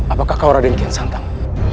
apakah kau raden kian santang